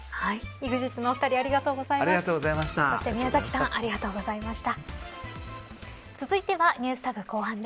ＥＸＩＴのお二人ありがとうございました。